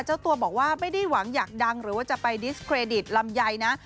เจ้าตัวบอกว่าไม่ได้หวังอยากดังหรือว่าจะไปดิสเครดิตลำไยนะ